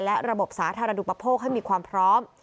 และระบบสาธารณุปโภคให้มีความพร้อม